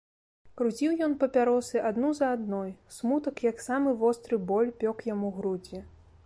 Круціў ён папяросы адну за адной, смутак, як самы востры боль, пёк яму грудзі.